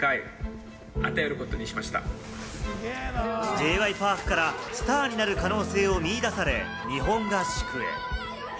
Ｊ．Ｙ．Ｐａｒｋからスターになる可能性を見いだされ、日本合宿へ。